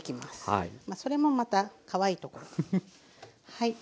まあそれもまたかわいいところはい。